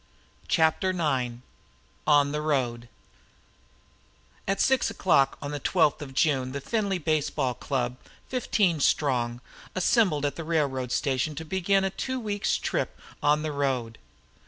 CHAPTER IX ON THE ROAD At six o'clock on the twelfth of June the Findlay baseball club, fifteen strong, was assembled at the railroad station to begin a two weeks' trip on the road.